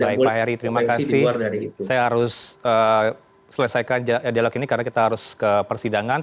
baik pak heri terima kasih saya harus selesaikan dialog ini karena kita harus ke persidangan